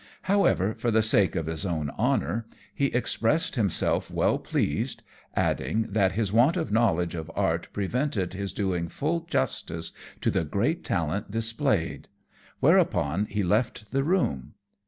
However, for the sake of his own honour, he expressed himself well pleased, adding that his want of knowledge of art prevented his doing full justice to the great talent displayed; whereupon he left the room.